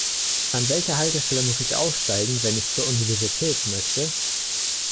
An welcher Haltestelle muss ich aussteigen, wenn ich zur Universität möchte?